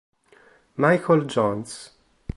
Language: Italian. Michael Jones